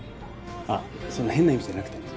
あっそんな変な意味じゃなくてね。